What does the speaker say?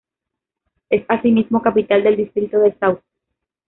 Es asimismo capital del distrito de Sauce.